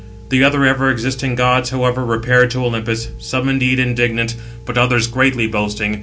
The other ever existing gods, however, repaired to Olympus, some indeed indignant, but others greatly boasting.